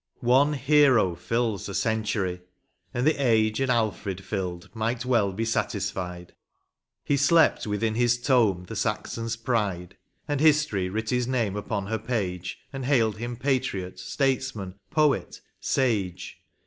One hero fills a century, and the age An Alfred filled might well be satisfied ; He slept within his tomb the Saxon s pride, And History writ his name upon her page, And hailed him patriot, statesman, poet, sage.